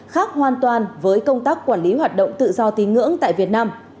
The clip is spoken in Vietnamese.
khác hoàn toàn với công tác quản lý hoạt động tự do tín ngưỡng tại việt nam